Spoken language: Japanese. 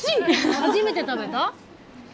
初めて食べた？